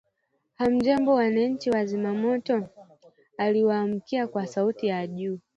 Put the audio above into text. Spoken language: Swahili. "Hamjambo wananchi wa Zimamoto?" Aliwaamkia kwa sauti ya juu